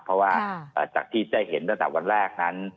เพราะว่าจากที่ได้เห็นตั้งแต่วันแรกนั้น